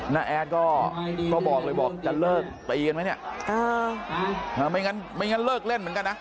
้าแอดก็บอกเลยบอกจะเลิกตีกันไหมเนี่ยไม่งั้นไม่งั้นเลิกเล่นเหมือนกันนะ